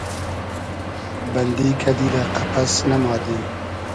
بئندی کئدی دۂ قئپس ، ئمادی